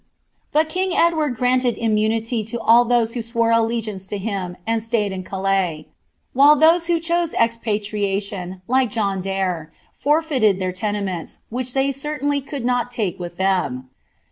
But king Edward giaateU imnumitrt»d ihrise who swore allegiance to him, and ataj ed io CaUia ; while Asa who chose expatriation, like John Daire, forfeited their tenennnis, winit thej certainly could not take with them.